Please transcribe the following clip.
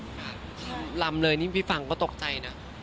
ลำเลยนี่พี่ฟังก็ตกใจนะ